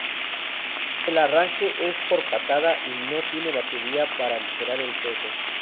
El arranque es por patada y no tiene batería para aligerar el peso.